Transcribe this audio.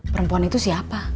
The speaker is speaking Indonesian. perempuan itu siapa